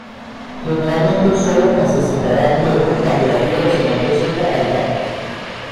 Generalmente sólo necesitará riego cuando la tierra se note seca al tacto.